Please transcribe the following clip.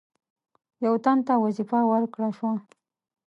یو تن ته وظیفه ورکړه شوه.